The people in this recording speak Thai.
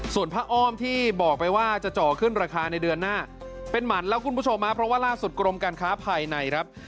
ส่วนพระอ้อมที่บอกไปว่าจะเจาะขึ้นราคาในเดือนหน้าเป็นหั่นแล้วคุณผู้ชมเพราะว่าล่าสุดกรมการค้าภายในครับ